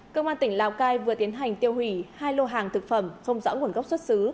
công an tỉnh lào cai vừa tiến hành tiêu hủy hai lô hàng thực phẩm không rõ nguồn gốc xuất xứ